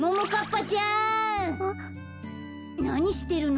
なにしてるの？